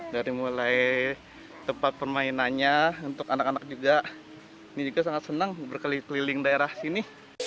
dari mulai tempat permainannya untuk anak anak juga ini juga sangat senang berkeliling keliling daerah sini